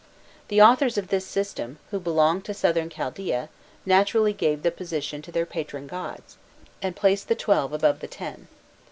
The authors of this system, who belonged to Southern Chaldaea, naturally gave the position to their patron gods, and placed the twelve above the ten.